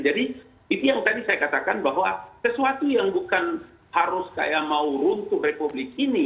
jadi itu yang tadi saya katakan bahwa sesuatu yang bukan harus kayak mau runtuh republik ini